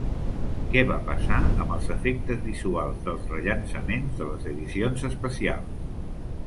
Què va passar amb els efectes visuals dels rellançaments de les edicions especials?